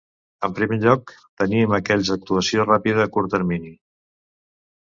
En primer lloc, tenim aquells d'actuació ràpida a curt termini.